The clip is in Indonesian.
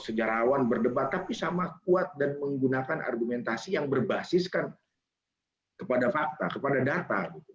sejarawan berdebat tapi sama kuat dan menggunakan argumentasi yang berbasiskan kepada fakta kepada data